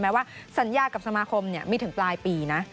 ว่าสัญญากับสมาคมมีถึงปลายปีนะ